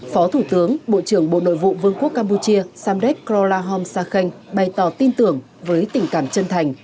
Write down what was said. phó thủ tướng bộ trưởng bộ nội vụ vương quốc campuchia sandek klorahom sakhen bày tỏ tin tưởng với tình cảm chân thành